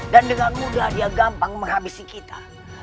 dengan mudah dia gampang menghabisi kita